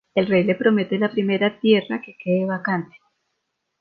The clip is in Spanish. El rey le promete la primera tierra que quede vacante.